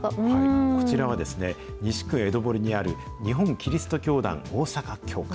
こちらはですね、西区江戸堀にある、日本基督教団大阪教会。